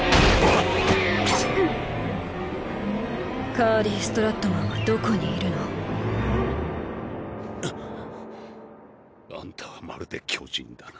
カーリー・ストラットマンはどこにいるの？あんたはまるで巨人だな。